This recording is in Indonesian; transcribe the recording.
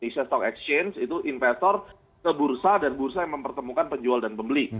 di sestol exchange itu investor ke bursa dan bursa yang mempertemukan penjual dan pembeli